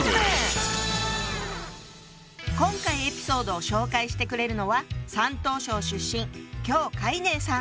今回エピソードを紹介してくれるのは山東省出身姜海寧さん。